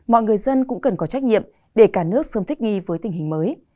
mọi người dân cũng cần có trách nhiệm để cả nước sớm thích nghi với tình hình mới